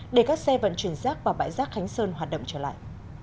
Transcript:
để các xe vận chuyển rác vào bãi rác khánh sơn hoạt động trở lại